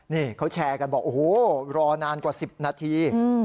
นี่เขาแชร์กันบอกโอ้โหรอนานกว่า๑๐นาที